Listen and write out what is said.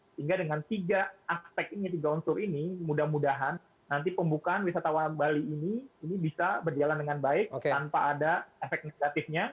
sehingga dengan tiga aspek ini tiga unsur ini mudah mudahan nanti pembukaan wisatawan bali ini ini bisa berjalan dengan baik tanpa ada efek negatifnya